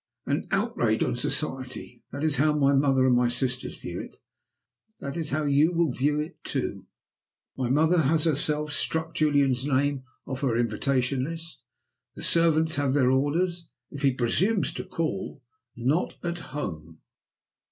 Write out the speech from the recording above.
"An outrage on Society that is how my mother and my sisters view it; that is how you will view it too. My mother has herself struck Julian's name off her invitation list. The servants have their orders, if he presumes to call: 'Not at home.